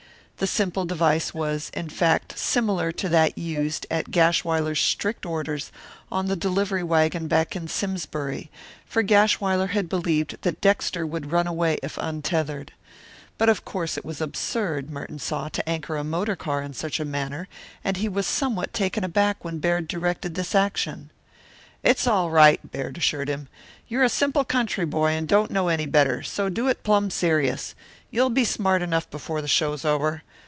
The simple device was, in fact, similar to that used, at Gashwiler's strict orders, on the delivery wagon back in Simsbury, for Gashwiler had believed that Dexter would run away if untethered. But of course it was absurd, Merton saw, to anchor a motor car in such a manner, and he was somewhat taken aback when Baird directed this action. "It's all right," Baird assured him. "You're a simple country boy, and don't know any better, so do it plumb serious. You'll be smart enough before the show's over.